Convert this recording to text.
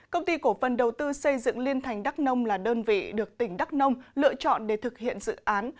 công ty cổ phần đầu tư xây dựng liên thành đắk nông là đơn vị được tỉnh đắk nông lựa chọn để thực hiện dự án